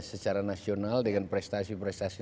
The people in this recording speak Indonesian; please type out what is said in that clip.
secara nasional dengan prestasi prestasi